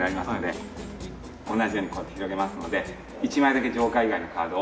同じようにこうやって広げますので１枚だけジョーカー以外のカードを。